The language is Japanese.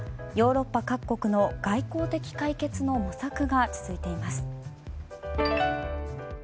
ヨーロッパ各国の外交的解決の模索が続いています。